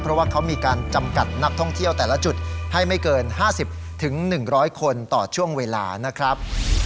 เพราะว่าเขามีการจำกัดนักท่องเที่ยวแต่ละจุดให้ไม่เกิน๕๐๑๐๐คนต่อช่วงเวลานะครับ